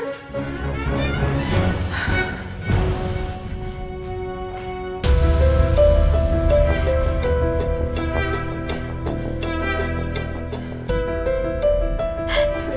gue gak salah